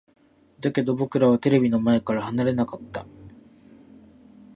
だけど、僕らはテレビの前から離れなかった。